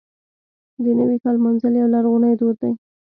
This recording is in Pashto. د نوي کال لمانځل یو لرغونی دود دی.